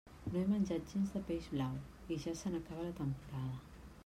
No he menjat gens de peix blau i ja se n'acaba la temporada.